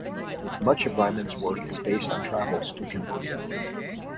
Much of Ryman's work is based on travels to Cambodia.